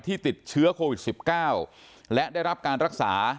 ติดเชื้อโควิด๑๙และได้รับการรักษา